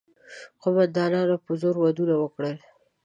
قوماندانانو په زور ودونه وکړل.